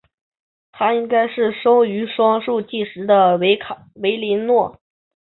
她应该是生于双树纪时的维林诺。